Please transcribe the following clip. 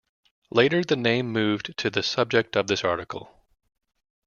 Later the name moved to the subject of this article.